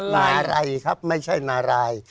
นายไรครับไม่ใช่นาราย